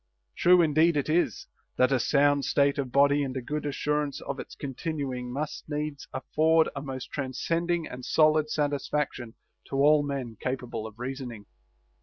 True indeed it is, " that a sound state of body and a good assurance of its continuing must needs afford a most transcending and solid satisfaction to all men capable of reasoning."